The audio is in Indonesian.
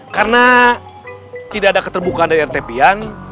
karena tidak ada keterbukaan dari rt pian